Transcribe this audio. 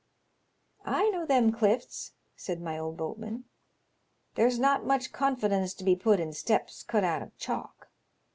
" I know them clifts," said my old boatman ;" there's not much confidence to be put in steps cut out of chalk.